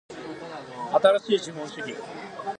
新しい資本主義